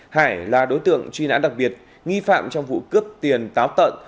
hải là đối tượng truy nã đặc biệt nghi phạm trong vụ cướp tiền táo tận